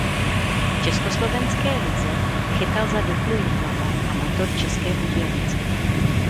V československé lize chytal za Duklu Jihlava a Motor České Budějovice.